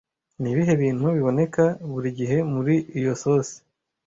Nibihe bintu biboneka buri gihe muri iyo sosi